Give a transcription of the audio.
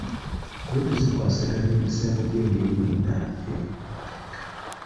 Kkooti zikwasaganya emisango egy'engeri yonna egiri mu mateeka.